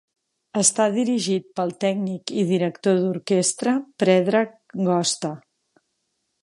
Està dirigit pel tècnic i director d'orquestra Predrag Gosta.